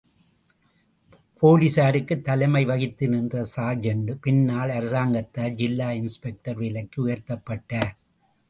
போலிஸாருக்கு தலைமை வகித்து நின்ற சார்ஜெண்டு பின்னால் அரசாங்கத்தால் ஜில்லா இன்ஸ்பெக்டர் வேலைக்கு உயர்த்தப்பட்டார்.